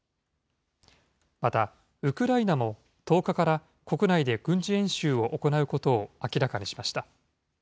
１０日から国内で軍事演習を行うことを明らかにしました。